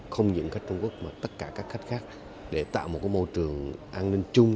không những khách trung quốc mà tất cả các khách khác để tạo một môi trường an ninh chung